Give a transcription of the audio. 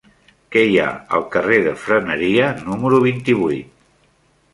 Què hi ha al carrer de Freneria número vint-i-vuit?